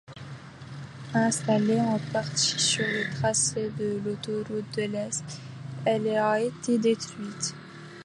Installée en partie sur le tracé de l'autoroute de l'Est, elle a été détruite.